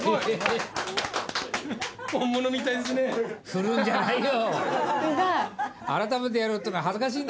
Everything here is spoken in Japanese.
振るんじゃないよ。